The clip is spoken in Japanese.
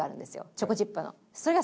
チョコチップの。